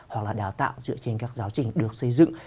hoặc là đào tạo dựa trên các giáo trình được xây dựng